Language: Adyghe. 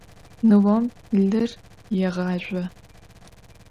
Nıom lır yêğazjo.